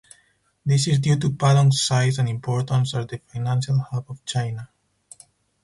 This is due to Pudong's size and importance as the financial hub of China.